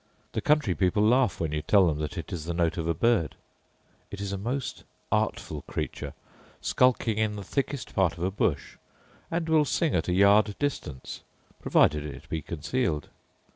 The country people laugh when you tell them that it is the note of a bird. It is a most artful creature, skulking in the thickest part of a bush; and will sing at a yard distance, provided it be concealed.